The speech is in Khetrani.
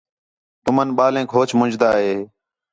تُُمن بالینک ہوچ منجھ دا ہِے